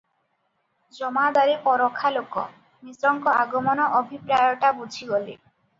ଜମାଦାରେ ପରଖା ଲୋକ, ମିଶ୍ରଙ୍କ ଆଗମନ ଅଭିପ୍ରାୟଟା ବୁଝିଗଲେ ।